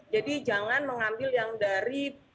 jadi jangan mengambil yang dari